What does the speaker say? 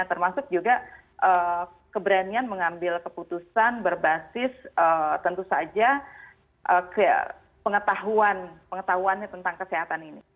termasuk juga keberanian mengambil keputusan berbasis tentu saja pengetahuan pengetahuannya tentang kesehatan ini